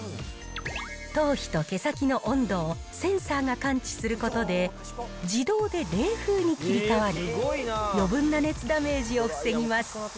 頭皮と毛先の温度をセンサーが感知することで、自動で冷風に切り替わり、余分な熱ダメージを防ぎます。